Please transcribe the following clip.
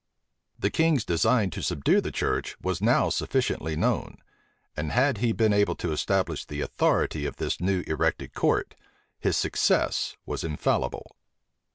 The king's design to subdue the church was now sufficiently known; and had he been able to establish the authority of this new erected court, his success was infallible.